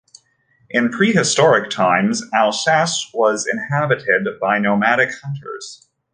In prehistoric times, Alsace was inhabited by nomadic hunters.